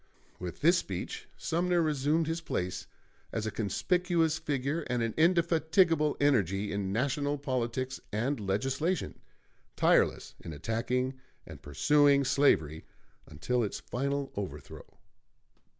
With this speech Sumner resumed his place as a conspicuous figure and an indefatigable energy in national politics and legislation, tireless in attacking and pursuing slavery until its final overthrow.